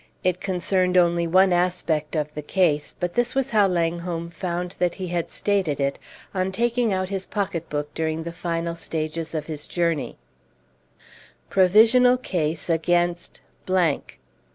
It concerned only one aspect of the case, but this was how Langholm found that he had stated it, on taking out his pocket book during the final stages of his journey PROVISIONAL CASE AGAINST 1.